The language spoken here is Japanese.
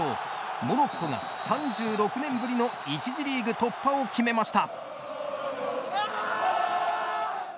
モロッコが３６年ぶりの１次リーグ突破を決めました。